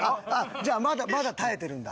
じゃあまだまだ耐えてるんだ。